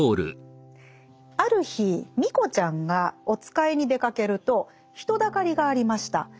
「或る日ミコちゃんがおつかいに出掛けると人だかりがありました。